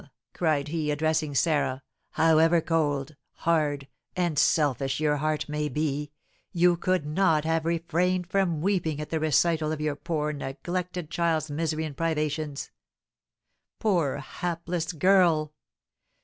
cried he, addressing Sarah, "however cold, hard, and selfish your heart may be, you could not have refrained from weeping at the recital of your poor, neglected child's misery and privations! Poor, hapless girl!